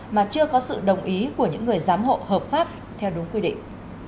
mà chưa có sự đồng ý của những người giám hộ hợp pháp theo đúng quy định